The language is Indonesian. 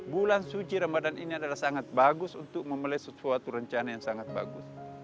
bulan suci ramadan ini adalah sangat bagus untuk memelai sesuatu rencana yang sangat bagus